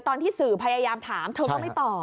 ตอนที่สื่อพยายามถามเธอก็ไม่ตอบ